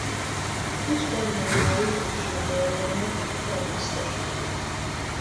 Isten malmai lassan őrölnek, de biztosan.